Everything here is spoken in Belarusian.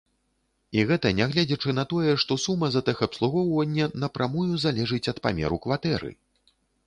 І гэта нягледзячы на тое, што сума за тэхабслугоўванне напрамую залежыць ад памеру кватэры!